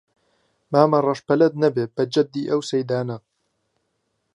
مامەڕەش پەلەت نەبێ بە جەددی ئەو سەیدانە